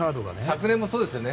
昨年もそうですよね。